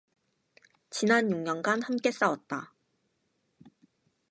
지난 육 년간 함께 싸웠다